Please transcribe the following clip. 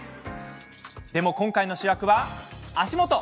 でも、今回の主役は足元。